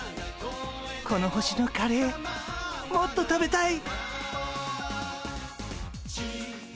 この星のカレーもっと食べたい。